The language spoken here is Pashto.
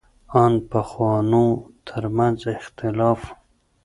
ان پخوانو تر منځ اختلاف و.